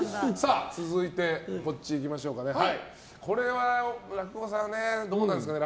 続いて、これは落語家さんはどうなんですかね。